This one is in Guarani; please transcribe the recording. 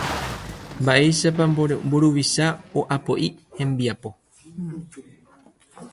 Mba'éichapa mburuvicha o'apo'i hembiapo